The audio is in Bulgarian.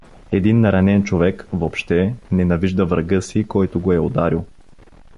Един наранен човек, въобще, ненавижда врага си, който го е ударил.